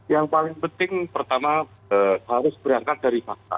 yang paling penting pertama harus berangkat dari fakta